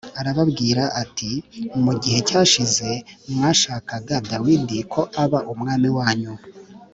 arababwira ati “Mu gihe cyashize mwashakaga Dawidi ko aba umwami wanyu